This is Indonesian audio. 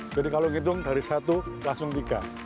jadi kalau ngitung dari satu langsung tiga